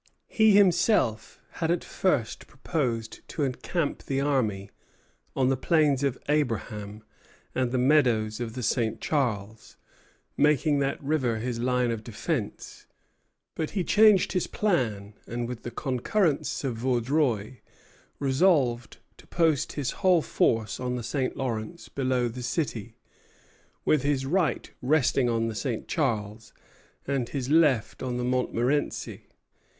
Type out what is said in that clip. He himself had at first proposed to encamp the army on the plains of Abraham and the meadows of the St. Charles, making that river his line of defence; but he changed his plan, and, with the concurrence of Vaudreuil, resolved to post his whole force on the St. Lawrence below the city, with his right resting on the St. Charles, and his left on the Montmorenci.